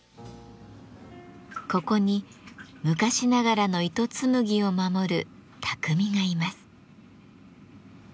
ここに昔ながらの糸紡ぎを守る匠がいます。